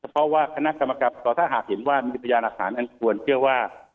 เพราะว่าคณะกรรมการต่อถ้าหากเห็นว่ามีพยานหลักฐานอันควรเชื่อว่า